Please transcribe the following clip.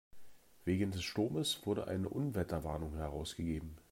Wegen des Sturmes wurde eine Unwetterwarnung herausgegeben.